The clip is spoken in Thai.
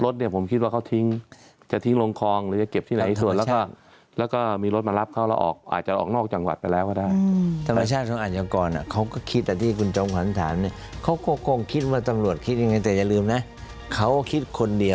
รถเนี่ยผมคิดว่าเขาจะทิ้งลงครองหรือจะเก็บที่ไหนส่วน